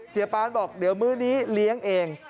ปานบอกเดี๋ยวมื้อนี้เลี้ยงเอง